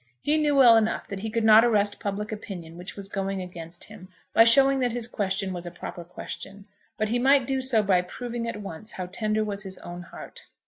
He knew well enough that he could not arrest public opinion which was going against him, by shewing that his question was a proper question; but he might do so by proving at once how tender was his own heart.